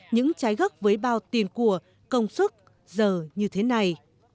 những trái gốc với bao tiền của công sức giờ như thế này